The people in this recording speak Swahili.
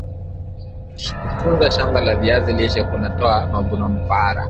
kutunza shamba la viazi lishe kuna toa mavuno bpra